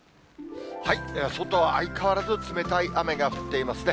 外は相変わらず冷たい雨が降っていますね。